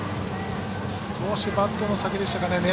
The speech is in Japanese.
少しバットの先でしたかね。